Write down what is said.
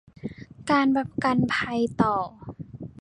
การประกันภัยต่อ